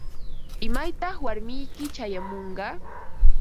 ¿Imaytaq warmiyki chayamunqa?